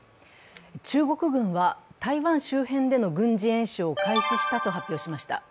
中国軍は台湾周辺での軍事演習を開始したと発表しました。